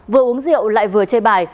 vừa uống rượu lại vừa chơi bài